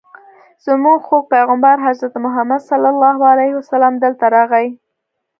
زموږ خوږ پیغمبر حضرت محمد صلی الله علیه وسلم دلته راغی.